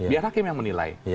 biar hakim yang menilai